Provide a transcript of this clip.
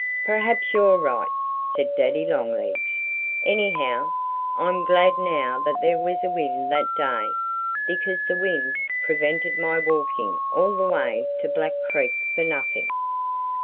"Perhaps you're right," said Daddy Longlegs. "Anyhow, I'm glad now that there was a wind that day, because the wind prevented my walking all the way to Black Creek for nothing."